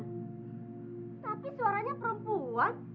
tapi suaranya perempuan